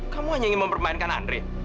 kamu hanya ingin mempermainkan andre